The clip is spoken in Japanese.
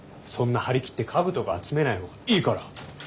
そんな張り切って家具とか集めない方がいいから。